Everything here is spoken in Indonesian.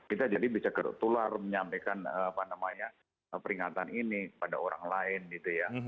kita jadi bisa geruk tular menyampaikan apa namanya peringatan ini pada orang lain gitu ya